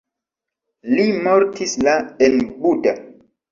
Li mortis la en Buda.